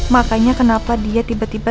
makanya kenapa dia tiba tiba